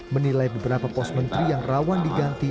menilai beberapa pos menteri yang rawan diganti